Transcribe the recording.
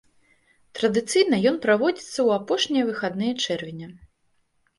Традыцыйна ён праводзіцца ў апошнія выхадныя чэрвеня.